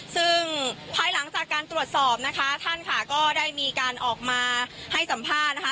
ซึ่งภายหลังจากการตรวจสอบนะคะท่านค่ะก็ได้มีการออกมาให้สัมภาษณ์นะคะ